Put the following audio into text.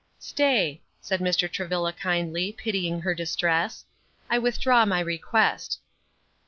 "Stay," said Mr. Travilla kindly, pitying her distress, "I withdraw my request."